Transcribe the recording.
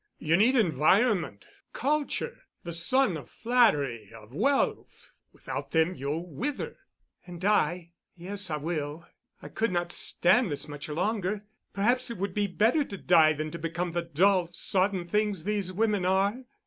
You need environment, culture, the sun of flattery, of wealth—without them you'll wither——" "And die. Yes, I will. I could not stand this much longer. Perhaps it would be better to die than to become the dull, sodden things these women are."